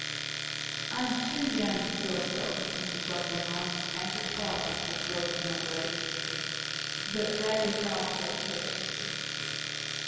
I am too young to feel so," Mrs. Barclay went on, after a pause which Lois did not break; "but that is how I feel to day."